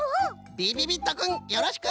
びびびっとくんよろしく！